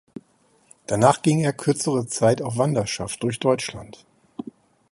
Danach ging er kürzere Zeit auf Wanderschaft durch Deutschland.